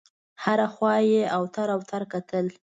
هره خوا یې اوتر اوتر کتل.